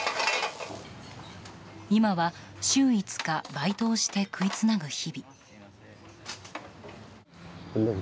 今は、週５日バイトをして食いつなぐ日々。